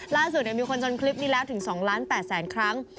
ล่าสุดมีคนจนคลิปนี้แล้วถึง๒ล้าน๘แสนครั้ง